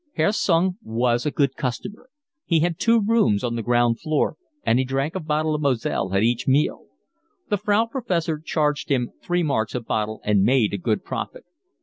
Herr Sung was a good customer: he had two rooms on the ground floor, and he drank a bottle of Moselle at each meal. The Frau Professor charged him three marks a bottle and made a good profit.